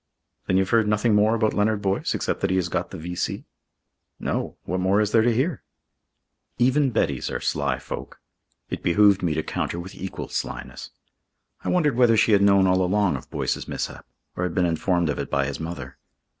"Then you've heard nothing more about Leonard Boyce except that he has got the V.C.?" "No. What more is there to hear?" Even Bettys are sly folk. It behooved me to counter with equal slyness. I wondered whether she had known all along of Boyce's mishap, or had been informed of it by his mother.